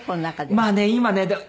まあね今ね。